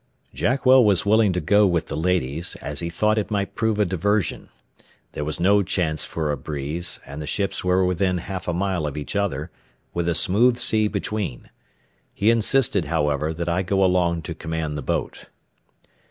Jackwell was willing to go with the ladies, as he thought it might prove a diversion. There was no chance for a breeze, and the ships were within half a mile of each other, with a smooth sea between. He insisted, however, that I go along to command the boat.